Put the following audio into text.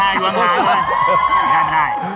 อยู่ข้างใน